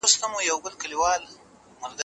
هلک غواړي چې له انا سره خبرې وکړي.